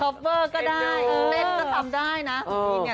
ท็อปเฟอร์ก็ได้เต็มก็ทำได้นะ